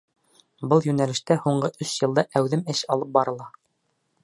Был йүнәлештә һуңғы өс йылда әүҙем эш алып барыла.